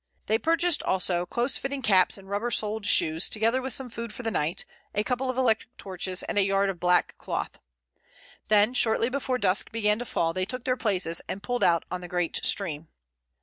They purchased also close fitting caps and rubber soled shoes, together with some food for the night, a couple of electric torches, and a yard of black cloth. Then, shortly before dusk began to fall, they took their places and pulled out on the great stream.